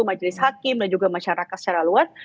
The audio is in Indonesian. majelis hakim dan juga masyarakat secara luas